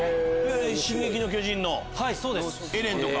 『進撃の巨人』のエレンとか。